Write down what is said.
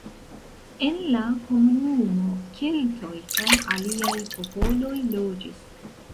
En la komunumo keltoj kaj aliaj popoloj loĝis.